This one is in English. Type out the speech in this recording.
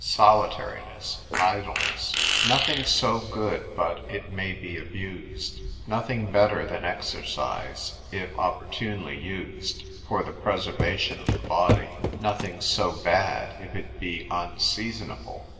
Solitariness, Idleness_. Nothing so good but it may be abused: nothing better than exercise (if opportunely used) for the preservation of the body: nothing so bad if it be unseasonable.